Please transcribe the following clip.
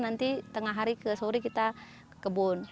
nanti tengah hari ke sore kita ke kebun